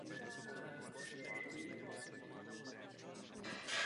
Dovolte mi zdůraznit několik bodů, které představují skutečný pokrok.